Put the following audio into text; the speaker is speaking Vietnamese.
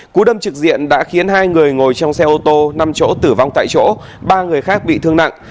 cú đâm trực diện đã khiến hai người ngồi trong xe ô tô năm chỗ tử vong tại chỗ ba người khác bị thương nặng